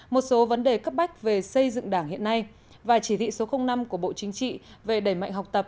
một số vấn đề cấp bách về xây dựng đảng hiện nay và chỉ thị số năm của bộ chính trị về đẩy mạnh học tập